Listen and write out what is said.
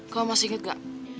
kamu masih inget gak